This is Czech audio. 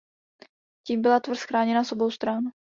Tím byla tvrz chráněna z obou stran.